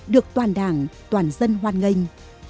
được toàn đảng toàn dân hoan nghênh